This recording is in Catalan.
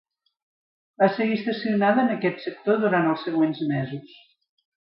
Va seguir estacionada en aquest sector durant els següents mesos.